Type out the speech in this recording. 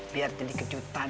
biar jadi kejutan